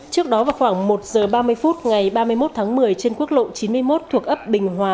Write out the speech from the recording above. trước đó vào khoảng một giờ ba mươi phút ngày ba mươi một tháng một mươi trên quốc lộ chín mươi một thuộc ấp bình hòa